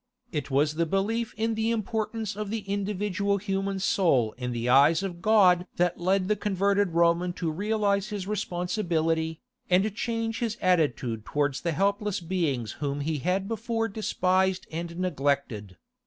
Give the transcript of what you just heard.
It was the belief in the importance of the individual human soul in the eyes of God that led the converted Roman to realize his responsibility, and change his attitude towards the helpless beings whom he had before despised and neglected.